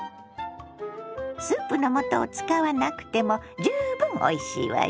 スープのもとを使わなくても十分おいしいわよ。